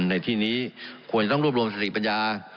ในที่นี้ควรจะต้องรวบรวมสติปัญญา